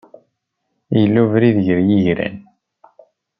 Yella ubrid gar yigran.